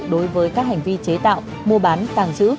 đối với các hành vi chế tạo mua bán tàng trữ